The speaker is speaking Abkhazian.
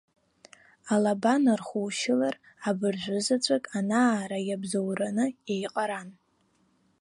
Алаба нархушьылар, абыржәы заҵәык, анаара иабзоураны, еиҟаран.